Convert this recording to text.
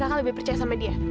kalau kamu lebih percaya sama dia